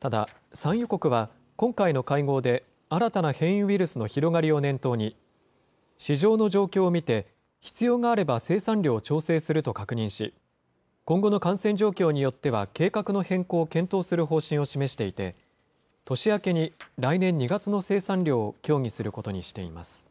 ただ、産油国は今回の会合で新たな変異ウイルスの広がりを念頭に、市場の状況を見て、必要があれば生産量を調整すると確認し、今後の感染状況によっては、計画の変更を検討する方針を示していて、年明けに来年２月の生産量を協議することにしています。